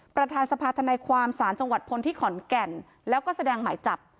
ประธานสภาธนายความศาลจังหวัดพลที่ขอนแก่นแล้วก็แสดงหมายจับ